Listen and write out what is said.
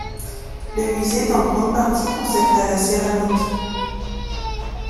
Le musée est en grande partie consacré à la céramique.